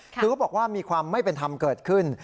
คือเขาบอกว่ามีความไม่เป็นธรรมเกิดขึ้น